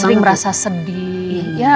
sering merasa sedih